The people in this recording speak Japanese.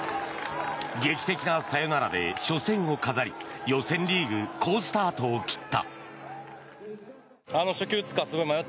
劇的なサヨナラで初戦を飾り予選リーグ好スタートを切った。